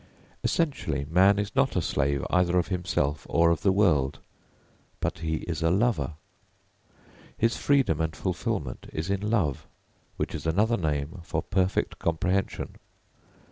Essentially man is not a slave either of himself or of the world; but he is a lover. His freedom and fulfilment is in love, which is another name for perfect comprehension.